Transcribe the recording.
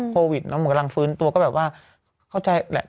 กำลังฟื้นตัวก็แบบว่าเข้าใจแหละ